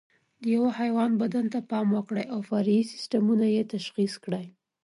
د یوه حیوان بدن ته پام وکړئ او فرعي سیسټمونه یې تشخیص کړئ.